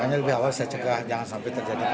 makanya lebih awal saya cekah jangan sampai terjadi phk